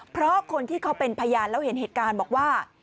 เพราะคนที่เขาเป็นพยานแล้วเห็นเหตุการณ์บอกว่า